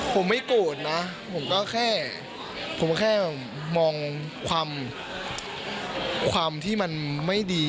ผมไม่โกรธนะผมก็แค่ผมก็แค่มองความที่มันไม่ดี